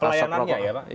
jadi pelayanannya ya pak